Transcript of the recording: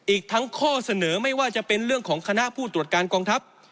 อีกทั้งข้อเสนอไม่ว่าจะเป็นเรื่องของคณะผู้ตรวจการกองทัพ